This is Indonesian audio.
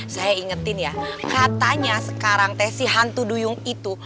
saya ingetin ya katanya sekarang tesi hantu duyung itu